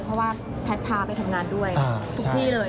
เพราะว่าแพทย์พาไปทำงานด้วยทุกที่เลย